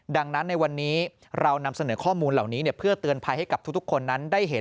ดังนั้นในวันนี้เรานำเสนอข้อมูลเหล่านี้เพื่อเตือนภัยให้กับทุกคนนั้นได้เห็น